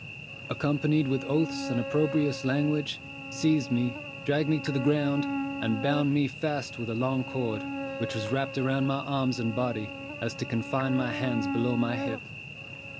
accompanied with oaths and opprobrious language, seized me, dragged me to the ground, and bound me fast with a long cord, which was wrapped round my arms and body, so as to confine my hands below my hips.